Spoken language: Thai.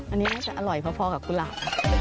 อันนี้น่าจะอร่อยพอกับกุหลาบ